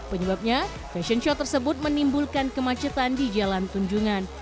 penyebabnya fashion show tersebut menimbulkan kemacetan di jalan tunjungan